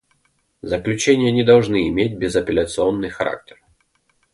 Заключения не должны иметь безапелляционный характер.